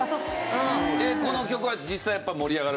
でこの曲は実際やっぱり盛り上がる？